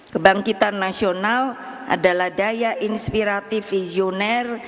kebangkitan nasional adalah daya inspiratif visioner